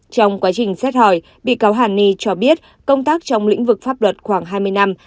trong quá trình xét hỏi bị cáo hàn ni cho biết công tác trong lĩnh vực pháp luật khoảng hai mươi năm